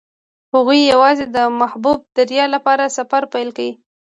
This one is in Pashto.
هغوی یوځای د محبوب دریا له لارې سفر پیل کړ.